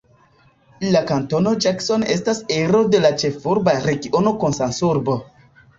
La kantono Jackson estas ero de la Ĉefurba Regiono Kansasurbo.